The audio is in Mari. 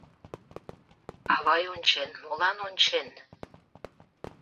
Авай ончен, молан ончен?